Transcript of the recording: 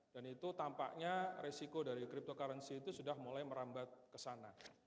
dan itu tampaknya risiko dari cryptocurrency itu sudah mulai merambat kesana